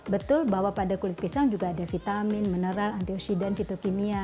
betul bahwa pada kulit pisang juga ada vitamin mineral anti oksidan fitokimia